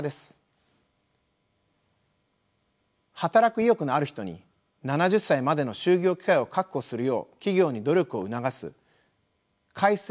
働く意欲のある人に７０歳までの就業機会を確保するよう企業に努力を促す改正